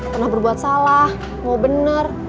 pernah berbuat salah mau benar